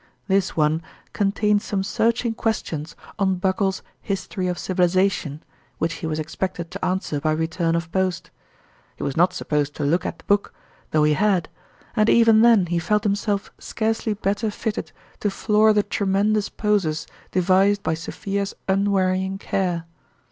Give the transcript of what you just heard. This one contained some searching questions on Buckle's History of Civilization, which lie was expected to answer by return of post. He was not supposed to look at the book, though he had ; and even then he felt himself scarcely better fitted to floor the tremendous posers de vised by Sophia's unwearying care.